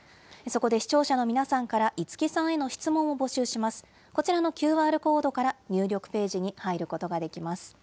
こちらのＱＲコードから、入力ページに入ることができます。